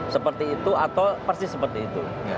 seperti itu atau persis seperti itu